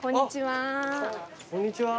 こんにちは。